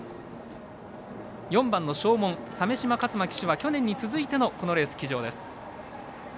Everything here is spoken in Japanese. ４番ショーモン、鮫島克駿騎手は去年に続いてのこのレース騎乗です。